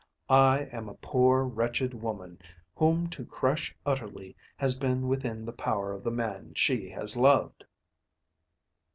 I am a poor, wretched woman, whom to crush utterly has been within the power of the man she has loved.